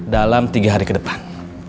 dalam tiga hari kedepan